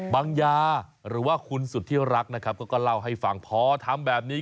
บางยาหรือว่าคุณสุธิรักนะครับก็เล่าให้ฟังพอทำแบบนี้